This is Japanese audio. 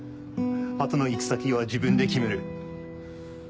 後の行き先は自分で決める。